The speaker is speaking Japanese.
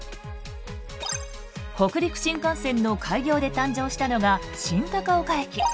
北陸新幹線の開業で誕生したのが新高岡駅。